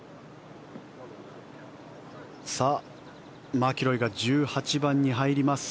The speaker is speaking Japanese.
マキロイが１８番に入ります。